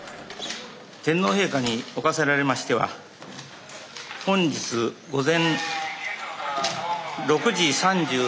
天皇陛下におかせられましては本日午前６時３３分